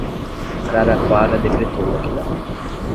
Araraquara decretou lockdown